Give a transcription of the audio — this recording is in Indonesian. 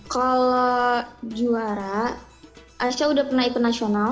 kalau juara aisyah sudah pernah ikut nasional